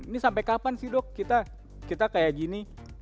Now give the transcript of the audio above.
ini sampai kapan sih dok kita kayak gini